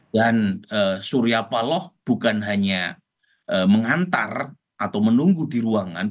surya paloh bukan hanya mengantar atau menunggu di ruangan